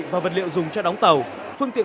và vật liệu dùng cho đóng tàu phương tiện